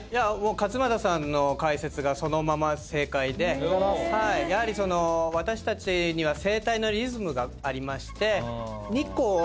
勝俣さんの解説がそのまま正解でやはり私たちには生態のリズムがありまして。